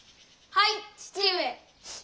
はい義父上。